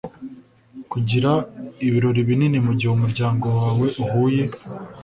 kugira ibirori binini mugihe umuryango wawe uhuye